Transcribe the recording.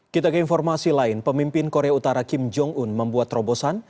kita ke informasi lain pemimpin korea utara kim jong un membuat terobosan